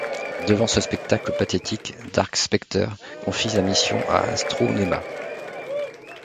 Devant ce spectacle pathétique, Dark Specter confie la mission à Astronéma.